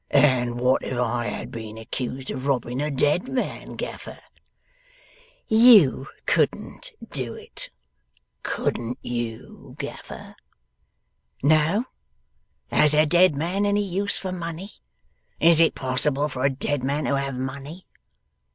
'And what if I had been accused of robbing a dead man, Gaffer?' 'You COULDN'T do it.' 'Couldn't you, Gaffer?' 'No. Has a dead man any use for money? Is it possible for a dead man to have money?